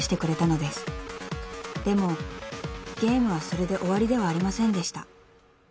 ［でもゲームはそれで終わりではありませんでした］